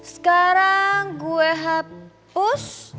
sekarang gue hapus